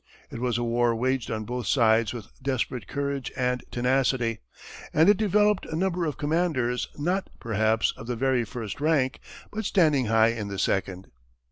It was a war waged on both sides with desperate courage and tenacity, and it developed a number of commanders not, perhaps, of the very first rank, but standing high in the second.